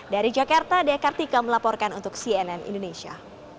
dari jakarta dekartika melaporkan untuk cnn indonesia